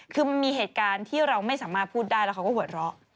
คือมันมีเหตุการณ์ที่เราไม่สามารถพูดได้แล้วเขาก็หัวเราะ